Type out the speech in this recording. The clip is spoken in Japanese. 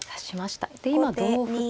で今同歩と。